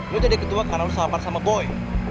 lo jadi ketua karena lo sabar sama boy